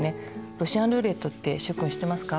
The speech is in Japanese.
ロシアン・ルーレットって習君知ってますか？